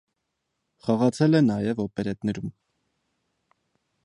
Խաղացել է նաև օպերետներում։